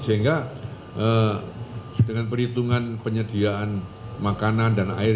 sehingga dengan perhitungan penyediaan makanan dan air